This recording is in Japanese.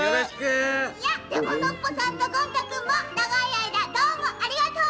でもノッポさんとゴン太くんもながいあいだどうもありがとう！